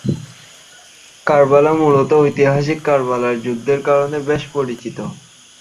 কারবালা মূলত ঐতিহাসিক কারবালার যুদ্ধের কারণে বেশি পরিচিত।